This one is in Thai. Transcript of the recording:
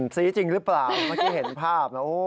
ซี้จริงหรือเปล่าเมื่อกี้เห็นภาพแล้ว